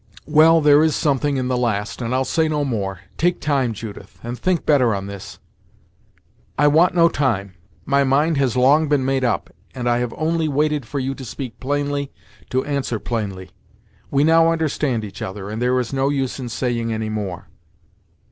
"Well, there is something in the last, and I'll say no more. Take time, Judith, and think better on this." "I want no time my mind has long been made up, and I have only waited for you to speak plainly, to answer plainly. We now understand each other, and there is no use in saying any more."